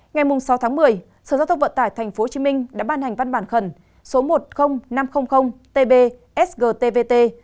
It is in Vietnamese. ngày sáu một mươi sở giao thông vận tải tp hcm đã ban hành văn bản khẩn số một mươi nghìn năm trăm linh tb sg tvt